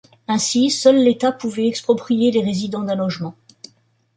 Ainsi, seul l'État pouvait exproprier les résidents d'un logement.